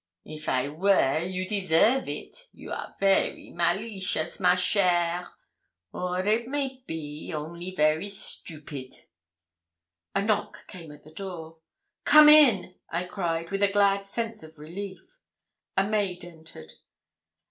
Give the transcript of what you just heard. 'If I were, you deserve it. You are very malicious, ma chère: or, it may be, only very stupid.' A knock came to the door. 'Come in,' I cried, with a glad sense of relief. A maid entered.